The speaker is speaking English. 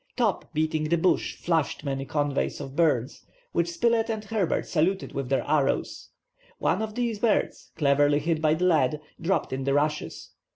Top, beating the bush, flushed many coveys of birds, which Spilett and Herbert saluted with their arrows. One of these birds, cleverly hit by the lad, dropped in the rushes.